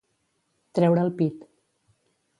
Treure el pit.